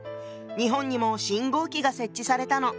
日本にも信号機が設置されたの。